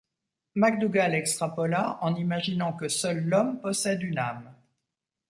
MacDougall extrapola en imaginant que seul l'Homme possède une âme.